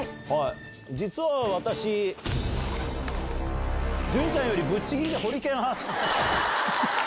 実は私、潤ちゃんよりぶっちぎりでホリケン派。